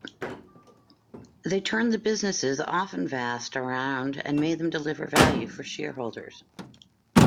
They turned the businesses-often vast-around and made them deliver value for shareholders.